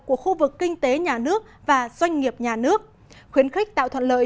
của khu vực kinh tế nhà nước và doanh nghiệp nhà nước khuyến khích tạo thuận lợi